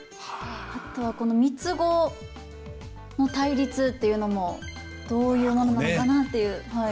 あとはこの三つ子の対立っていうのもどういうものなのかなっていう。